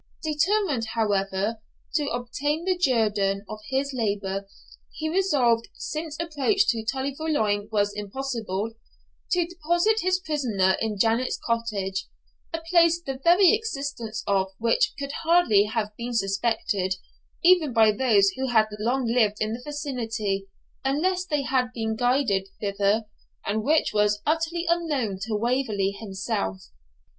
Determined, however, to obtain the guerdon of his labour, he resolved, since approach to Tully Veolan was impossible, to deposit his prisoner in Janet's cottage, a place the very existence of which could hardly have been suspected even by those who had long lived in the vicinity, unless they had been guided thither, and which was utterly unknown to Waverley himself.